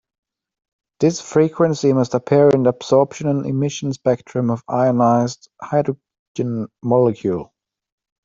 This frequency must appear in the absorption and emission spectrum of ionized hydrogen molecule.